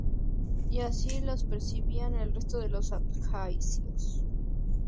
Y así los percibían el resto de los abjasios.